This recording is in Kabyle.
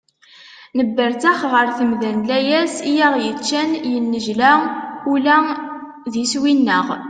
Nebberttex ɣer temda n layas i aɣ-yeččan, yennejla ula d iswi-nneɣ.